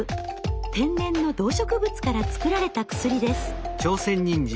天然の動植物から作られた薬です。